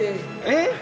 えっ！